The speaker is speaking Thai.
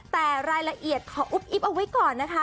แต่รายละเอียดขออุ๊บอิ๊บเอาไว้ก่อนนะคะ